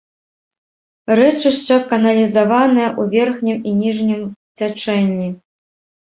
Рэчышча каналізаванае ў верхнім і ніжнім цячэнні.